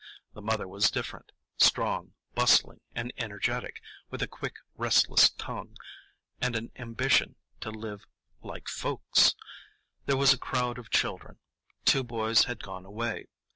The mother was different,—strong, bustling, and energetic, with a quick, restless tongue, and an ambition to live "like folks." There was a crowd of children. Two boys had gone away.